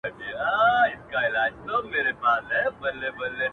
ویل دا پنیر کارګه ته نه ښایيږي،